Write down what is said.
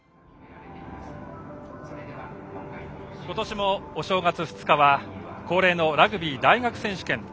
今年もお正月、２日は恒例のラグビー大学選手権。